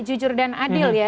jujur dan adil ya